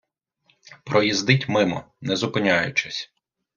Проїздить мимо не зупиняючись.